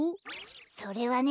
それはね